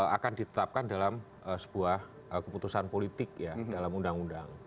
akan ditetapkan dalam sebuah keputusan politik ya dalam undang undang